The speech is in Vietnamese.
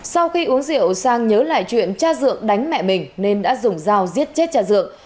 sau khi uống rượu sang nhớ lại chuyện cha dượng đánh mẹ mình nên đã dùng dao giết chết cha dượng